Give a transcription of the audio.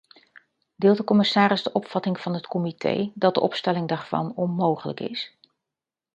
Deelt de commissaris de opvatting van het comité dat de opstelling daarvan onmogelijk is?